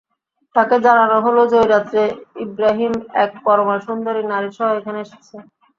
তাকে জানানো হল যে, এ রাত্রে ইবরাহীম এক পরমা সুন্দরী নারীসহ এখানে এসেছে।